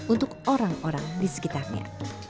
untuk orang orang di sekitarnya